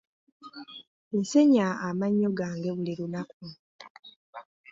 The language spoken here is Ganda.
Nsenya amannyo gange buli lunaku.